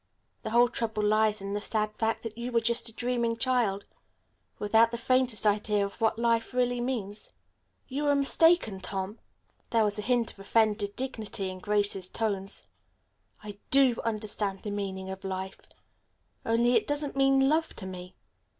The whole trouble lies in the sad fact that you are just a dreaming child, without the faintest idea of what life really means." "You are mistaken, Tom." There was a hint of offended dignity in Grace's tones. "I do understand the meaning of life, only it doesn't mean love to me.